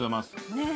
ねえ。